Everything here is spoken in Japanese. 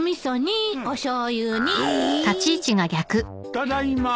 ただいま。